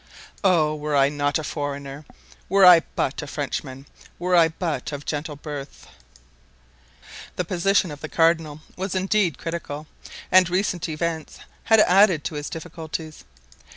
"Oh, were I not a foreigner! were I but a Frenchman! were I but of gentle birth!" The position of the cardinal was indeed critical, and recent events had added to his difficulties.